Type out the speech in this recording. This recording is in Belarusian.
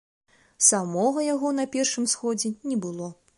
Самога яго на першым сходзе не было.